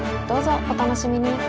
どうぞお楽しみに！